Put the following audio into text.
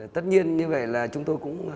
tất nhiên như vậy là chúng tôi cũng